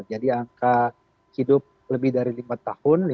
jadi angka hidup lebih dari lima tahun